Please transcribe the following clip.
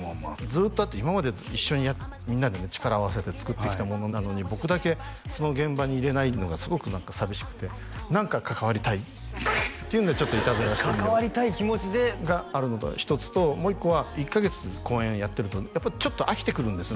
ずっとだって今まで一緒にみんなでね力を合わせて作ってきたものなのに僕だけその現場にいれないのがすごく何か寂しくて何か関わりたいっていうんでちょっとイタズラして関わりたい気持ちでがあるのが一つともう一個は１カ月公演をやってるとやっぱりちょっと飽きてくるんです